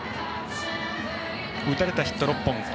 打たれたヒットは６本。